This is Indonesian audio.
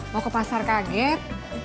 mau ke pasar kaget